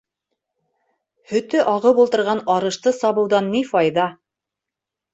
Һөтө ағып ултырған арышты сабыуҙан ни файҙа?